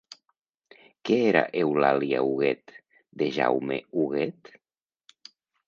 Què era Eulàlia Huguet de Jaume Huguet?